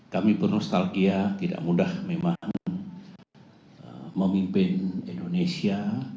kami bernostalgia tidak mudah memang memimpin indonesia